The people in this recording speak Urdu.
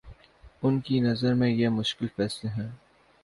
ان کی نظر میں یہ مشکل فیصلے ہیں؟